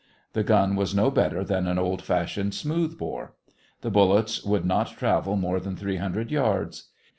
The gun was no better than an old fashioned smooth bore. The bullets would not travel more than three hundred yards.